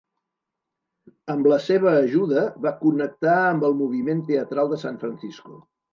Amb la seva ajuda, va connectar amb el moviment teatral de San Francisco.